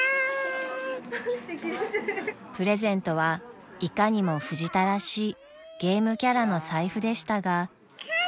［プレゼントはいかにもフジタらしいゲームキャラの財布でしたが］